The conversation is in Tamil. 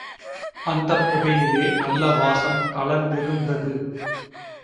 அந்தப் புகையிலே நல்ல வாசம் கலந்திருந்தது.